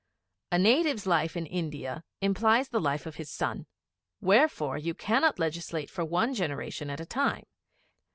A native's life in India implies the life of his son. Wherefore, you cannot legislate for one generation at a time.